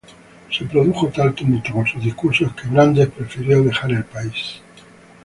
Se produjo tal tumulto con sus discursos, que Brandes prefirió dejar el país.